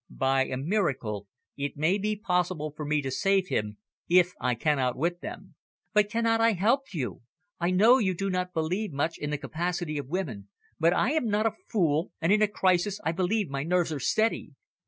"By a miracle, it may be possible for me to save him, if I can outwit them." "But cannot I help you? I know you do not believe much in the capacity of women, but I am not a fool, and in a crisis I believe my nerves are steady."